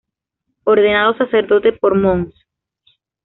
Ordenado sacerdote por Mons.